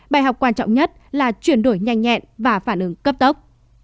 bài học quan trọng nhất là chuyển đổi nhanh nhẹn và phản ứng cấp tốc